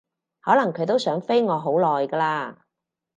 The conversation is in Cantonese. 可能佢都想飛我好耐㗎喇